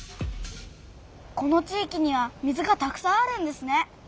この地いきには水がたくさんあるんですね。